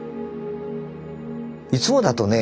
いつもだとね